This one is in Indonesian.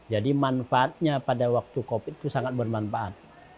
jadi manfaatnya pada waktu covid itu sangat bermanfaat